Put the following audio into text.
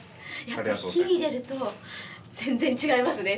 やっぱ火入れると全然違いますね。